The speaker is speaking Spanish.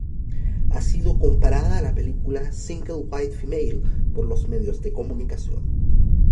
Ha sido comparada a la película "Single White Female" por los medios de comunicación.